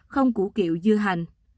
không củ kiệu dưa hành